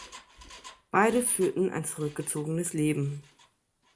Beide führten ein zurückgezogenes Leben.